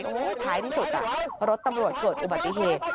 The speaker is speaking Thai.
ท้ายที่สุดรถตำรวจเกิดอุบัติเหตุ